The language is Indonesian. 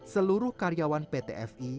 seluruh karyawan pt fi